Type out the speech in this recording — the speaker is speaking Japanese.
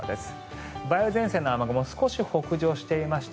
梅雨前線の雨雲が北上していまして